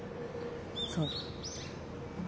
そう。